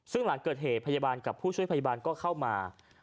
ซึ่งหลังเกิดเหตุพยาบาลกับผู้ช่วยพยาบาลก็เข้ามา